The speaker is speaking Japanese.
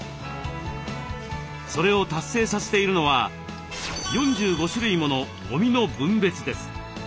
それを達成させているのは４５種類ものゴミの分別です。